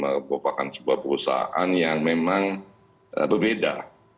bapak bapak sebuah perusahaan yang memang berbeda